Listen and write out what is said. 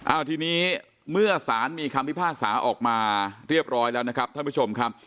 เอาทีนี้เมื่อสารมีคำพิพากษาออกมาเรียบร้อยแล้วนะครับท่านผู้ชมครับ